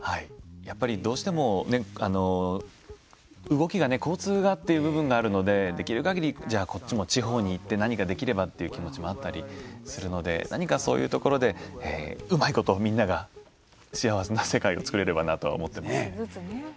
やっぱりどうしても動きが交通がという部分があるのでできるかぎりこっちも地方に行って何かできればという気持ちもあったりするので何かそういうところでうまいことみんなが幸せな世界を作れればなと思っています。